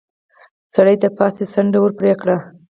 سړي د پاستي څنډه ور پرې کړه.